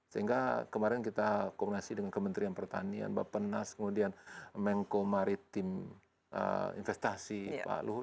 sehingga kemarin kita koordinasi dengan kementerian pertanian bapak nas kemudian mengko maritim investasi pak luhut